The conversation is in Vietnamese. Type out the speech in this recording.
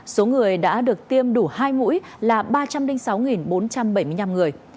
số người đã được tiêm đủ hai mũi là ba trăm linh sáu bốn trăm bảy mươi năm người